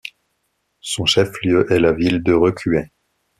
Son chef-lieu est la ville de Recuay.